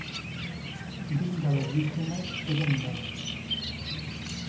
Vint de les víctimes eren nens.